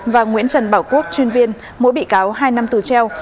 và nguyễn trần bảo quốc chuyên viên mỗi bị cáo hai năm tù treo